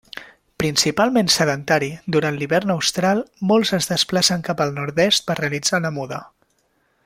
Principalment sedentari, durant l'hivern austral molts es desplacen cap al nord-est, per realitzar la muda.